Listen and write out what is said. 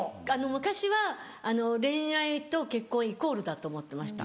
昔は恋愛と結婚イコールだと思ってました。